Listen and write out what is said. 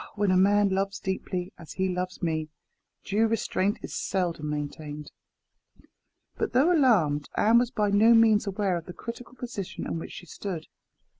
Ah! when a man loves deeply, as he loves me, due restraint is seldom maintained." But though alarmed, Anne was by no means aware of the critical position in which she stood.